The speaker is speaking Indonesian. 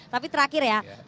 tapi terakhir ya